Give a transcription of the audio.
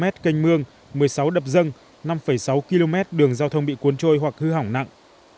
tám km canh mương một mươi sáu đập dâng năm sáu km đường giao thông bị cuốn trôi hoặc hư hỏng nặng